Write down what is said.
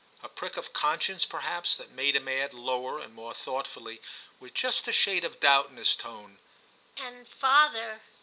a prick of conscience perhaps that made him add lower and more thoughtfully, with just a shade of doubt in his tone, * and father.'